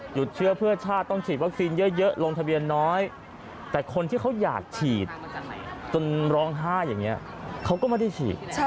เชื้อเพื่อชาติต้องฉีดวัคซีนเยอะลงทะเบียนน้อยแต่คนที่เขาอยากฉีดจนร้องไห้อย่างนี้เขาก็ไม่ได้ฉีด